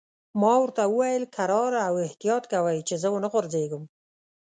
ما ورته وویل: کرار او احتیاط کوئ، چې زه و نه غورځېږم.